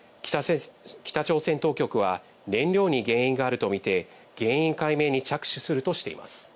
北朝鮮当局は、燃料に原因があるとみて原因解明に着手するとしています。